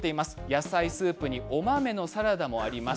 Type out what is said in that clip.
野菜スープにお豆のサラダもあります。